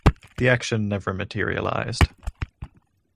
The action never materialized.